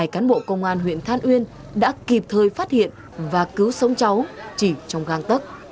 hai cán bộ công an huyện than uyên đã kịp thời phát hiện và cứu sống cháu chỉ trong găng tấc